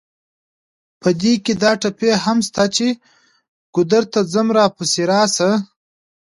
په دې کې دا ټپې هم شته چې: ګودر ته ځم راپسې راشه.